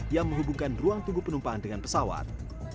yang menghubungkan ruang tunggu penumpang dengan pesawat